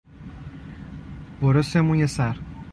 برس موی سر